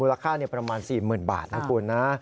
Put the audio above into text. มูลค่าประมาณ๔๐๐๐๐บาทนะครับคุณนะ